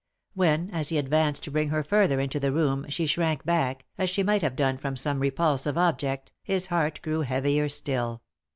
When, as he advanced to bring her further into the room, she shrank back, as she might have done from some repulsive object, his heart grew heavier still.